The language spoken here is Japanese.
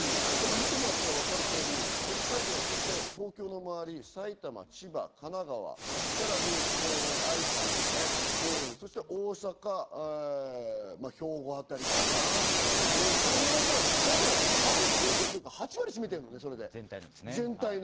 見てもらったら分かる通り、北海道、東京の周り、埼玉、千葉、神奈川、さらに愛知、そして大阪、兵庫あたりかな、この辺がほぼ半数以上というか、８割占めてるのね、全体の。